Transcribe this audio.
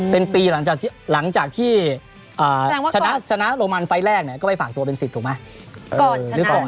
เป็นปีหลังจากที่ชนะโรมันไฟล์แรกเนี่ยก็ไปฝากตัวเป็นสิทธิ์ถูกไหม